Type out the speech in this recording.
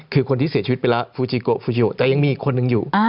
คือคนที่เสียชีวิตไปแล้วฟูจิโกฟูจิโอแต่ยังมีอีกคนนึงอยู่